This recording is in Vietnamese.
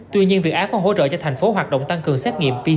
tuy nhiên việt á có hỗ trợ cho thành phố hoạt động tăng cường xét nghiệm pcr